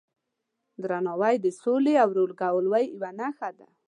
درناوی د سولې او ورورګلوۍ یوه نښه ده.